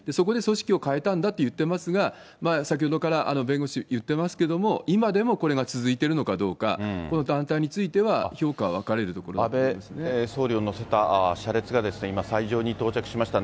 そこで組織を変えたんだと言ってますが、先ほどから弁護士、言ってますけども、今でもこれが続いてるのかどうか、この団体については、安倍総理を乗せた車列が今、斎場に到着しました。